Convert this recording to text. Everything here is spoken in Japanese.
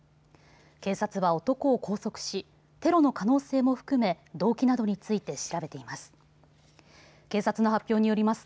警察は男を拘束しテロの可能性も含め動機などについて調べています。